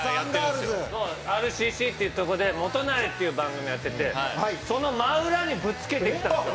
ＲＣＣっていうとこで『元就。』っていう番組やっててその真裏にぶつけてきたんですよ。